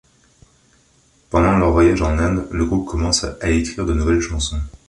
Pendant leur voyage en Inde, le groupe commence à écrire de nouvelles chansons.